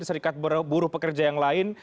serikat buruh pekerja yang lain